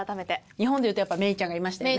日本で言うとやっぱメイちゃんがいましたよね。